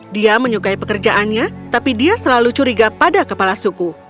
dia menyukai pekerjaannya tapi dia selalu curiga pada kepala suku